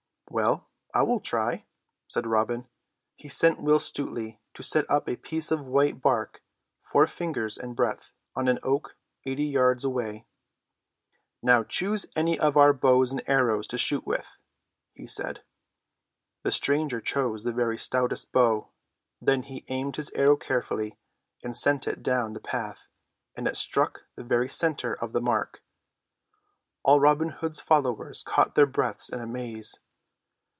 "Well, I will try," said Robin. He sent Will Stutely to set up a piece of white bark four fingers in breadth on an oak eighty yards away. "Now choose any of our bows and arrows to shoot with," he said. The stranger chose the very stoutest bow. Then he aimed his arrow carefully and sent it down the path and it struck the very center of the mark. All Robin Hood's followers caught their breaths in amaze.